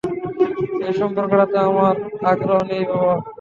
এই সম্পর্কটাতে আমার আগ্রহ নেই, বাবা।